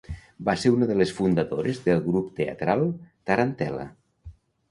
Va ser una de les fundadores del grup teatral Tarantel·la.